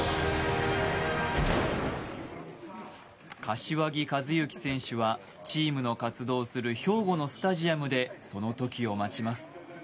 柏木寿志選手はチームの活動する兵庫のスタジアムでその時を待ちます。